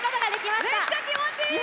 めっちゃ気持ちいい！